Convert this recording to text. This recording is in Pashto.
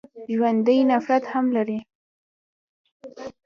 ژوندي نفرت هم لري